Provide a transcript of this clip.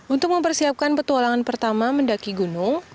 untuk mempersiapkan petualangan pertama mendaki gunung